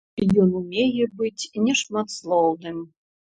Ён умее быць нешматслоўным.